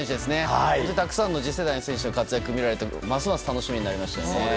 たくさんの次世代の選手の活躍を見られてますます楽しみになりました。